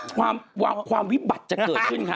ความวิบัติกระเบียบจะเกิดขึ้นค่ะ